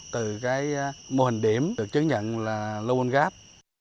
từ cái mô hình điểm được chứng nhận là low on gap